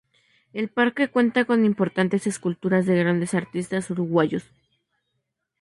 El parque cuenta con importantes esculturas de grandes artistas uruguayos.